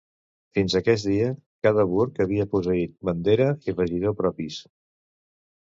Fins a aquest dia cada burg havia posseït bandera i regidor propis.